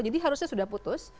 jadi harusnya sudah putus